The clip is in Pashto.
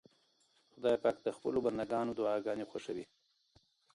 خدای پاک د خپلو بندګانو دعاګانې خوښوي.